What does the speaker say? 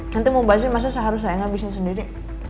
nanti mau bazir masa seharusnya reina habisin sendiri